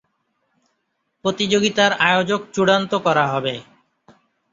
প্রতিযোগিতার আয়োজক চূড়ান্ত করা হবে।